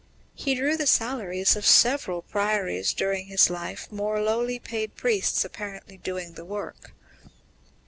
He drew the salaries of several priories during his life, more lowly paid priests apparently doing the work.